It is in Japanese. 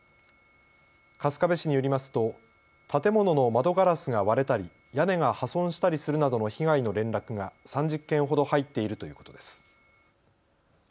春日部市によりますと建物の窓ガラスが割れたり屋根が破損したりするなどの被害の連絡が３０件ほど入っているということです。